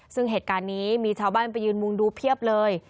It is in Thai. ซึ่งเหตุการณ์นี้มีชาวบ้านไปยืนมุงดูเพียบเลย